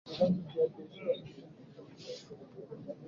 Hii ni kwa kuongeza sauti za wanawake, pamoja na kuwashirikisha zaidi vijana.